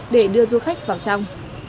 để đưa du khách vào trong